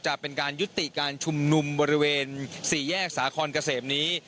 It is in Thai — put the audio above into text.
จะเป็นการยุติการชุมนุมบริเวณสี่แยกสาคอนเกษมนี้